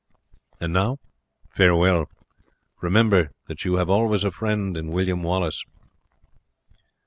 And now farewell! Remember that you have always a friend in William Wallace."